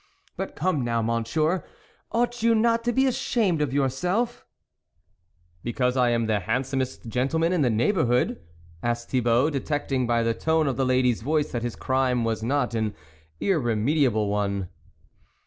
But, come now, Monsieur, ought you not to be ashamed of yourself ?"" Because I am the handsomest gentle man in the neighbourhood ?" asked Thi bault, detecting by the tone of the lady's voice that his crime was not an irremedi able one.